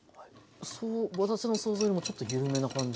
私の想像よりもちょっと緩めな感じ。